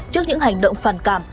trước những hành động phản cảm